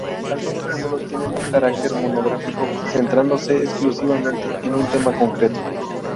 Algunos números tienen un carácter monográfico, centrándose exclusivamente en un tema concreto.